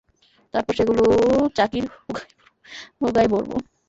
তারপর সেগুলো চাকির হোগায় ভরবো।